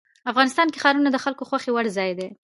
افغانستان کې ښارونه د خلکو خوښې وړ ځای دی.